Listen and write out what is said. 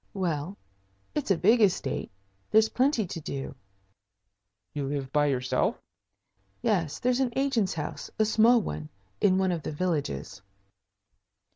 "Well, it's a big estate. There's plenty to do." "You live by yourself?" "Yes. There's an agent's house a small one in one of the villages."